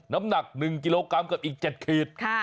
น้ำหนัก๑กิโลกรัมกับอีก๗ขีด